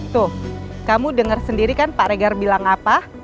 tuh kamu denger sendiri kan pak regar bilang apa